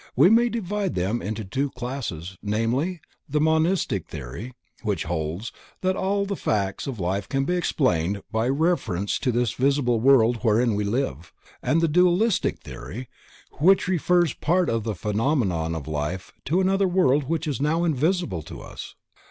We may divide them into two classes, namely the monistic theory, which holds that all the facts of life can be explained by reference to this visible world wherein we live, and the dualistic theory, which refers part of the phenomenon of life to another world which is now invisible to us.